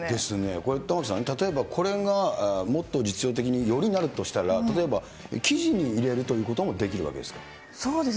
これ、玉城さん、例えばこれが、もっと実用的によりなるとしたら、例えば、生地に入れるということもできるわけですか。